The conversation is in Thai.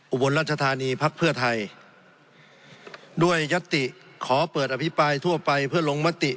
อุบลรัชธานีพักเพื่อไทยด้วยยัตติขอเปิดอภิปรายทั่วไปเพื่อลงมติ